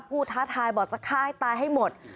ท้าทายบอกจะฆ่าให้ตายให้หมด